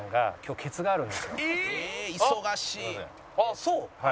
あっそう？